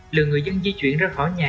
lượng người dân di chuyển ra khỏi nhà